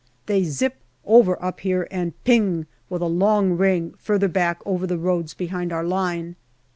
They " zip" over up here, and " ping" with a long ring further back over the roads behind our line.